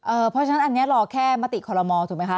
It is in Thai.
เพราะฉะนั้นอันนี้รอแค่มติคอลโมถูกไหมคะ